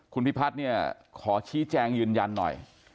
คุณพิพัฒน์เนี่ยขอชี้แจงยืนยันหน่อย